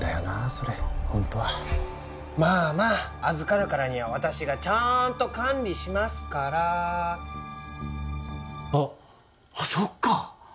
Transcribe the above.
それホントはまあまあ預かるからには私がちゃんと管理しますからあっあそっか！